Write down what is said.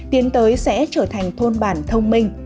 tiến tới sẽ trở thành thôn bản thông minh